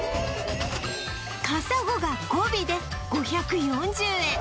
カサゴが５尾で５４０円